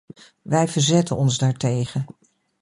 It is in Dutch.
Wij verzetten ons daartegen.